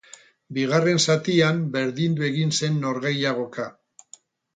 Bigarren zatian berdindu egin zen norgehiagoka.